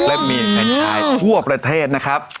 และมีแฟนชายทั่วประเทศนะครับ